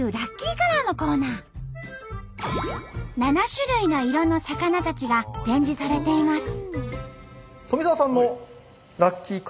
７種類の色の魚たちが展示されています。